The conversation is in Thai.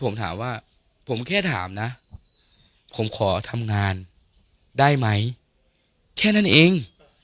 ผมถามว่าผมแค่ถามนะผมขอทำงานได้ไหมแค่นั้นเอง